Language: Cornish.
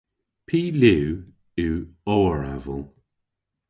Py liw yw owraval?